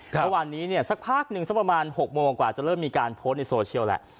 เมื่อวานนี้เนี่ยสักพักหนึ่งสักประมาณ๖โมงกว่าจะเริ่มมีการโพสต์ในโซเชียลแหละ